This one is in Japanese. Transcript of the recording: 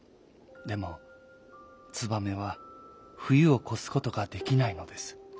でもツバメはふゆをこすことができないのです。